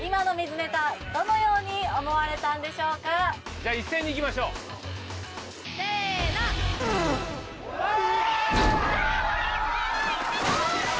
じゃあ一斉にいきましょうせーの何で！？